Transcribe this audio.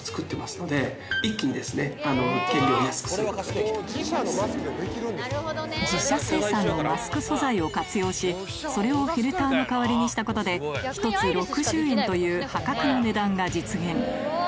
正解は自社生産のマスク素材を活用しそれをフィルターの代わりにしたことで１つ６０円という破格の値段が実現